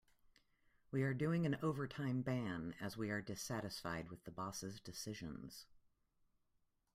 We are doing an overtime ban as we are dissatisfied with the boss' decisions.